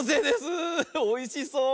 おいしそう！